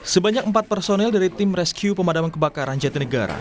sebanyak empat personel dari tim rescue pemadaman kebakaran jatinegara